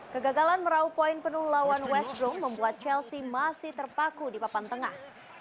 kegagalan merauh poin penuh lawan westrum membuat chelsea masih terpaku di papan tengah